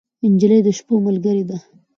نجلۍ د شپو ملګرې ده.